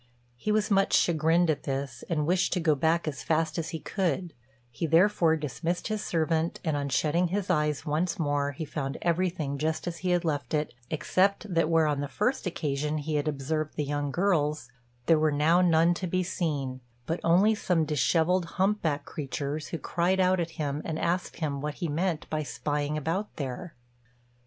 He was much chagrined at this, and wished to go back as fast as he could; he, therefore, dismissed his servant, and on shutting his eyes once more, he found everything just as he had left it, except that where, on the first occasion, he had observed the young girls, there were none now to be seen, but only some dishevelled hump backed creatures, who cried out at him, and asked him what he meant by spying about there.